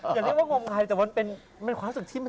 อย่าเรียกว่างงายแต่มันความสุขที่มัน